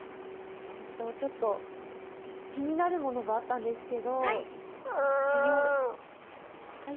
ちょっと気になるものがあったんですけど。